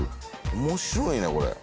面白いねこれ。